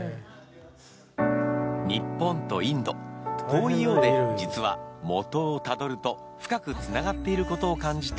日本とインド遠いようで実はモトをタドルと深くつながっていることを感じた